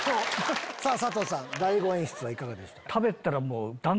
さぁ佐藤さん大悟演出はいかがでしたか？